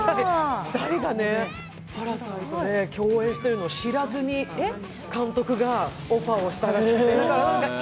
２人が「パラサイト」で共演してるのを知らずに監督がオファーをしたらしい。